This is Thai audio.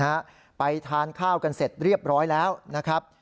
นะฮะไปทานข้าวกันเสร็จเรียบร้อยแล้วนะครับ